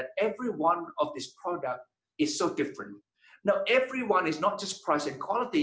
sekarang setiap produk ini bukan hanya berdasarkan harga dan kualitas